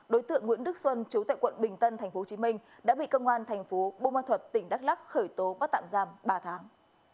đối tượng nguyễn đức xuân chú tại quận bình tân tp hcm đã bị công an tp bông an thuật tỉnh đắk lắc khởi tố bắt tạm giam ba tháng